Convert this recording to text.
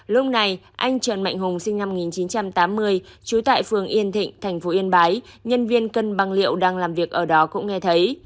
lúc này anh trần mạnh hùng sinh năm một nghìn chín trăm tám mươi trú tại phường yên thịnh thành phố yên bái nhân viên cân băng liệu đang làm việc ở đó cũng nghe thấy